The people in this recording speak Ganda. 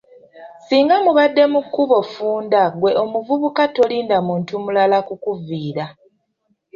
Singa mubadde mu kkubo ffunda ggwe omuvubuka tolinda muntu mulala kukuviira.